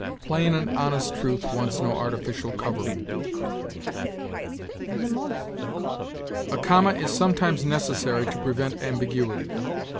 "Plain and honest truth wants no artificial covering." A comma is sometimes necessary to prevent ambiguity.